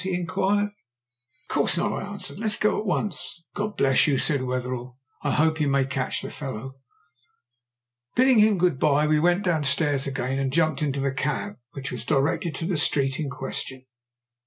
he inquired. "Of course not," I answered. "Let us go at once." "God bless you!" said Wetherell. "I hope you may catch the fellow." Bidding him good bye, we went downstairs again, and jumped into the cab, which was directed to the street in question.